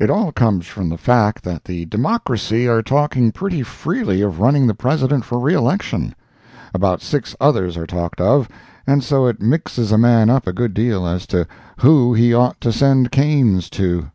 It all comes from the fact that the Democracy are talking pretty freely of running the President for reelection. About six others are talked of, and so it mixes a man up a good deal as to who he ought to send canes to.